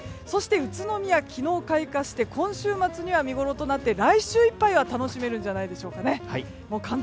そして宇都宮、昨日開花して今週末には見ごろとなって来週いっぱいは楽しめるんじゃないでしょうかね。